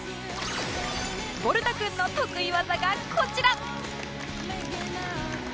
ヴォルタくんの得意技がこちら